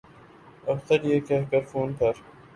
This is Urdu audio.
افسر یہ کہہ کر فون پر